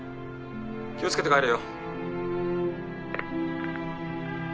気をつけて帰れよ。